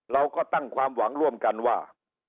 เราก็ตั้งความหวังร่วมกันว่า